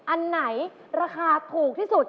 อันไหนราคาถูกที่สุด